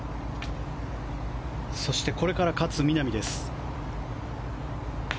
そしてこれから勝みなみです。